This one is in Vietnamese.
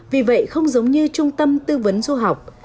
vì vậy không giống như trung tâm tư vấn du học